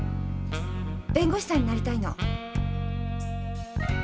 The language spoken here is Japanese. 弁護士さんになりたいの。